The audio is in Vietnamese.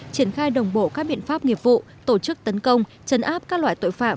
triển khai đồng bộ các biện pháp nghiệp vụ tổ chức tấn công chấn áp các loại tội phạm